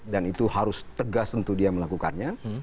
dan itu harus tegas tentu dia melakukan